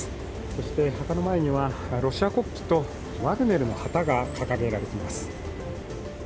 そして墓の前にはロシア国旗とワグネルの旗が掲げられています。